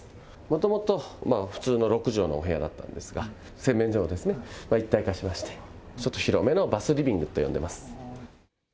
もともと普通の６畳のお部屋だったんですが、洗面所をですね、一体化しまして、ちょっと広めのバスリビングと呼んでます。